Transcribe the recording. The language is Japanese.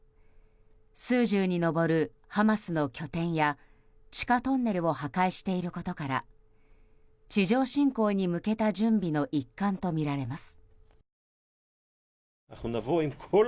数十に上るハマスの拠点や地下トンネルを破壊していることから地上侵攻に向けた準備の一環とみられます。